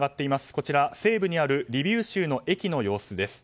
こちら西部にあるリビウ州の駅の様子です。